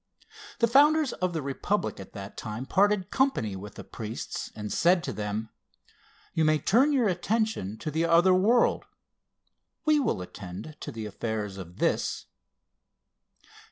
The founders of the Republic at that time parted company with the priests, and said to them: "You may turn your attention to the other world we will attend to the affairs of this."